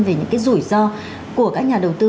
về những cái rủi ro của các nhà đầu tư